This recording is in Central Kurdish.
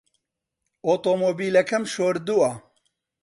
ئۆتۆمۆبیلەکەم شۆردووە.